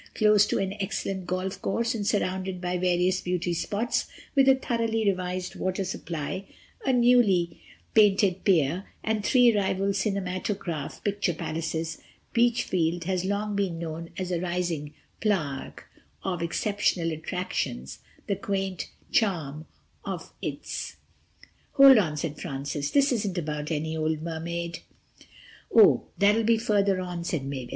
Close to an excellent golf course, and surrounded by various beauty spots, with a thoroughly revised water supply, a newly painted pier and three rival Cinematograph Picture Palaces, Beachfield has long been known as a rising plage of exceptional attractions, the quaint charm of its....'" "Hold on," said Francis, "this isn't about any old Mermaid." "Oh, that'll be further on," said Mavis.